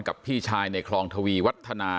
พี่ชายในคลองทวีวัฒนา